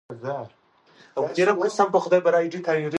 د شکایتونو د ثبت لپاره ځانګړی بکس موجود دی.